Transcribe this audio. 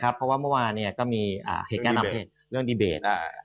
เพราะว่าเมื่อวานก็มีเหตุแนะนำเพจเรื่องดีเบต